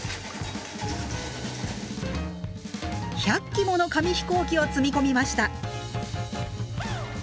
１００機もの紙飛行機を積み込みました。